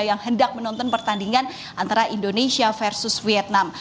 yang hendak menonton pertandingan antara indonesia versus vietnam